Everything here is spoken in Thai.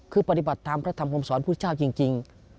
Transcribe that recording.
คือปฏิบัติตามพระธรรมความสอนผู้ชาวจริง